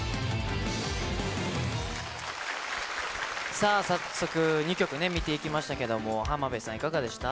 さあ、早速、２曲ね、見ていきましたけども、浜辺さん、いかがでした？